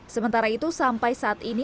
sementara itu sampai saat ini